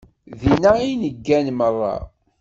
Dinna i neggan meṛṛa.